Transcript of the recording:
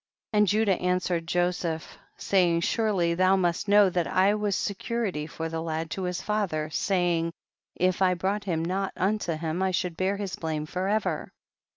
57. And Judah answered Joseph, saying, surely thou must know that I was security for the lad to his father, saying, if I brought him not unto him I should bear his blame forever.